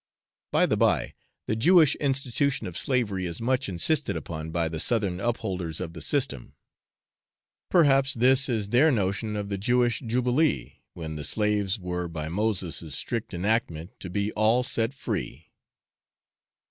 By the bye, the Jewish institution of slavery is much insisted upon by the Southern upholders of the system; perhaps this is their notion of the Jewish jubilee, when the slaves were by Moses' strict enactment to be all set free.